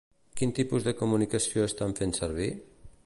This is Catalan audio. Quin tipus de comunicació estan fent servir?